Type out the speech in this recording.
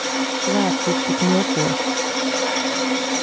Svētki ir tik mokoši.